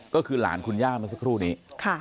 ก็คือหลานคุณย่าเมื่อสักครู่นี้